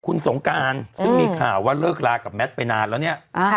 คุณสงการซึ่งมีข่าวว่าเลิกลากับแมทไปนานแล้วเนี่ย